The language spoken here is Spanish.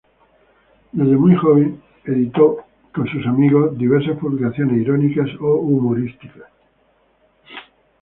Desde muy joven editó, con sus amigos, diversas publicaciones irónicas o humorísticas.